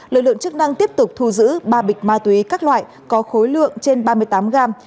lực lượng chức năng tiếp tục thu giữ ba bịch ma túy các loại có khối lượng trên ba mươi tám gram